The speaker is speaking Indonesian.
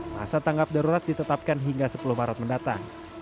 masa tanggap darurat ditetapkan hingga sepuluh maret mendatang